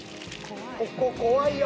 ここ怖いよ！